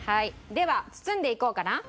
では包んでいこうかな。